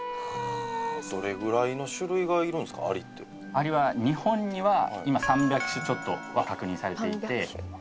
アリは日本には今３００種ちょっとは確認されていて。